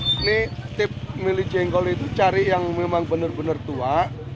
ini tip milih jengkol itu cari yang memang benar benar tua